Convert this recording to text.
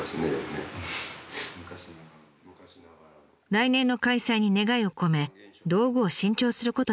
来年の開催に願いを込め道具を新調することになり